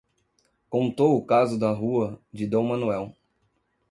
Contou o caso da rua de D. Manoel.